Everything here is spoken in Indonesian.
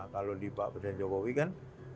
kalau di pak presiden jokowi kan